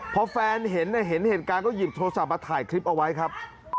พอแฟนเห็นก็หยิบโทรศัพท์มาถ่ายคลิปเอาไว้ครับ